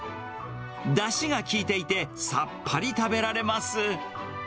だしが効いていて、さっぱり食べられます。